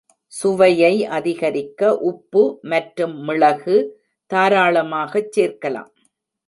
சுவையை அதிகரிக்க உப்பு மற்றும் மிளகு தாராளமாகச் சேர்க்கலாம்.